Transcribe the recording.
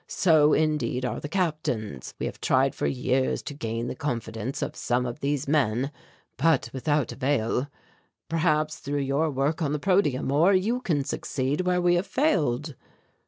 So, indeed, are the captains. We have tried for years to gain the confidence of some of these men, but without avail. Perhaps through your work on the protium ore you can succeed where we have failed."